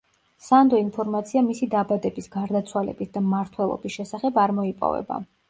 სანდო ინფორმაცია მისი დაბადების, გარდაცვალების და მმართველობის შესახებ არ მოიპოვება.